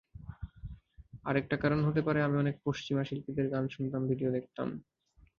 আরেকটা কারণ হতে পারে, আমি অনেক পশ্চিমা শিল্পীদের গান শুনতাম, ভিডিও দেখতাম।